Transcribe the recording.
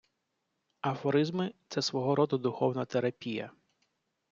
Афоризми — це свого роду духовна терапія.